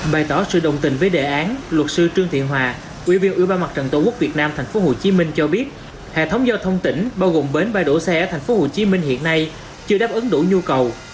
bày tỏ sự đồng tình với đề án luật sư trương thị hòa ủy viên ủy ban mặt trận tổ quốc việt nam tp hcm cho biết hệ thống giao thông tỉnh bao gồm bến bãi đổ xe ở tp hcm hiện nay chưa đáp ứng đủ nhu cầu